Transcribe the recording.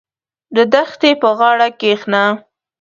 • د دښتې په غاړه کښېنه.